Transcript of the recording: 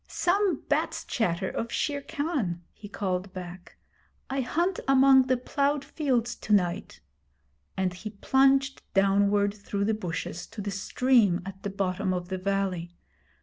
'Some bat's chatter of Shere Khan,' he called back. 'I hunt among the ploughed fields to night'; and he plunged downward through the bushes, to the stream at the bottom of the valley.